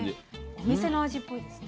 お店の味っぽいですね。